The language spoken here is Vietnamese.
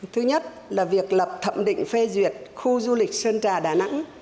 thứ nhất là việc lập thẩm định phê duyệt khu du lịch sơn trà đà nẵng